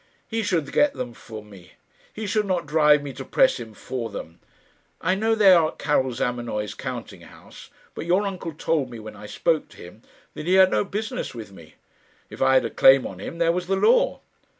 "He should get them for me. He should not drive me to press him for them. I know they are at Karil Zamenoy's counting house; but your uncle told me, when I spoke to him, that he had no business with me; if I had a claim on him, there was the law.